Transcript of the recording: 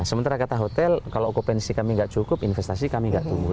sementara kata hotel kalau okupansi kami nggak cukup investasi kami nggak tumbuh